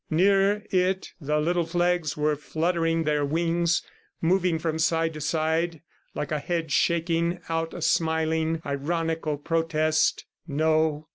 Near it the little flags were fluttering their wings, moving from side to side like a head shaking out a smiling, ironical protest No!